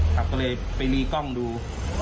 ครับก็เลยไปมีกล้องดู